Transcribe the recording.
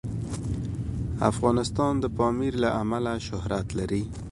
افغانستان د پامیر له امله شهرت لري.